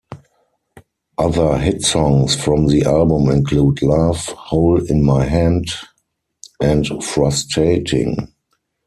Other hit songs from the album include "Love", "Hole In My Hand", and "Frustrating".